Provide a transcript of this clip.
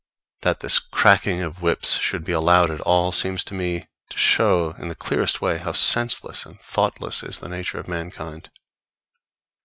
That this cracking of whips should be allowed at all seems to me to show in the clearest way how senseless and thoughtless is the nature of mankind.